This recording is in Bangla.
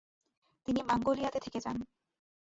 তিনি মঙ্গোলিয়াতে থেকে যান।